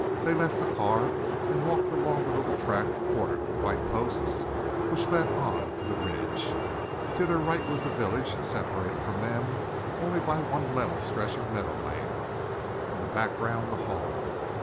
They left the car and walked along the little track, bordered with white posts, which led on to the ridge. To their right was the village, separated from them only by one level stretch of meadowland; in the background, the hall.